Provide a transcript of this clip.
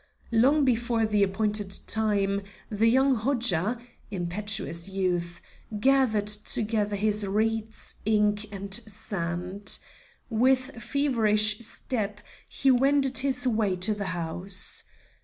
Long before the appointed time, the young Hodja impetuous youth gathered together his reeds, ink, and sand. With feverish step he wended his way to the house.